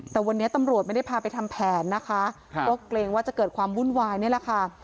แต่วันนี้ตำรวจไม่ได้พาไปทำแผนนะคะก็เกรงว่าจะเกิดความวุ่นวายนี่แหละค่ะ